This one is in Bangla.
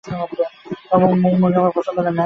অমন মুখভঙ্গি আমার পছন্দ নয়, ম্যাভ।